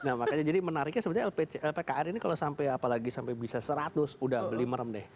nah makanya jadi menariknya sebenarnya lpkr ini kalau sampai apalagi sampai bisa seratus udah beli merem deh